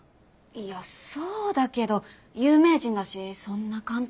いやそうだけど有名人だしそんな簡単には。